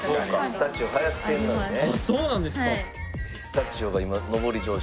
ピスタチオ流行ってるからね。